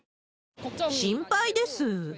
心配です。